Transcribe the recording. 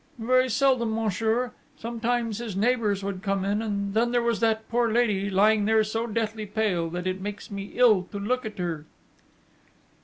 'Very seldom, monsieur. Sometimes his neighbours would come in; and then there was that poor lady lying there so deathly pale that it makes me ill to look at her....'